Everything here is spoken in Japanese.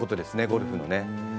ゴルフのね。